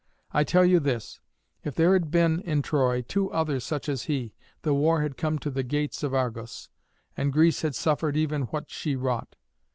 I tell you this: if there had been in Troy two others such as he, the war had come to the gates of Argos, and Greece had suffered even what she wrought.